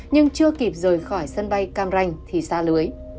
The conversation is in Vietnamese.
nhưng chưa kịp rời khỏi sân bay cam ranh thì xa lưới